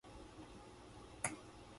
石川県能美市